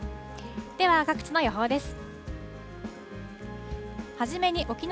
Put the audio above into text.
では、各地の予報です。